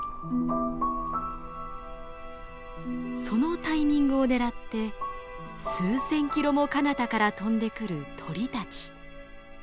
そのタイミングを狙って数千キロもかなたから飛んでくる鳥たち。